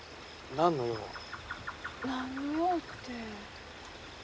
何の用って。